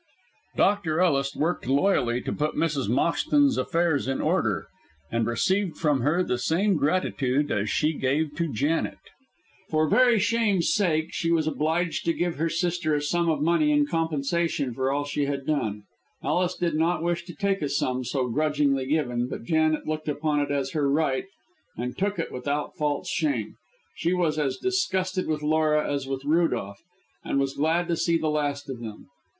Dr. Ellis worked loyally to put Mrs. Moxton's affairs in order, and received from her the same gratitude as she gave to Janet. For very shame's sake she was obliged to give her sister a sum of money in compensation for all she had done. Ellis did not wish to take a sum so grudgingly given, but Janet looked upon it as her right, and took it without false shame. She was as disgusted with Laura as with Rudolph, and was glad to see the last of them.